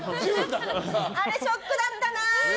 あれショックだったな。